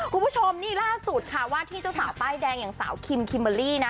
คุณผู้ชมนี่ล่าสุดค่ะว่าที่เจ้าสาวป้ายแดงอย่างสาวคิมคิมเบอร์รี่นะ